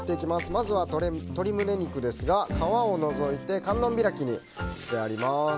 まずは鶏胸肉ですが皮を除いて観音開きにしてあります。